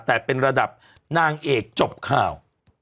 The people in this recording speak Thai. แต่เป็นระดับนางเอกจบข่าว